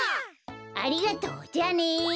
ありがとうじゃあね。